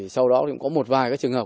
sau đó cũng có một vài trường hợp